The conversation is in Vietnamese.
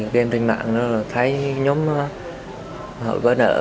game tên mạng thấy nhóm họ có nợ